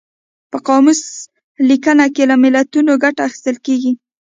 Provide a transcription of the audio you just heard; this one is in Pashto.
په قاموس لیکنه کې له متلونو ګټه اخیستل کیږي